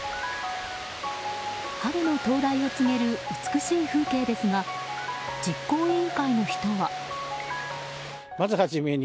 春の到来を告げる美しい風景ですが実行委員会の人は。